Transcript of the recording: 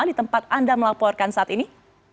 di tempat anda melaporkan saat ini